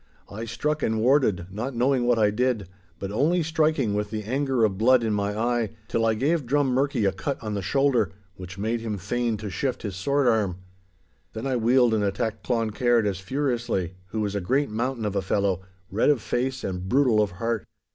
I struck and warded, not knowing what I did, but only striking, with the anger of blood in my eye, till I gave Drummurchie a cut on the shoulder, which made him fain to shift his sword arm. Then I wheeled and attacked Cloncaird as furiously, who was a great mountain of a fellow, red of face and brutal of heart.